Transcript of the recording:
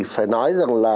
phải nói rằng là